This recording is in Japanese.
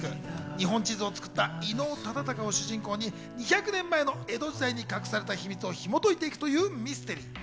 日本地図を作った伊能忠敬を主人公に２００年前の江戸時代に隠された秘密を紐解いていくというミステリー。